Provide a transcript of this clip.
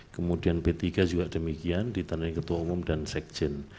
kemudian p tiga juga demikian ditandai ketua umum dan sekjen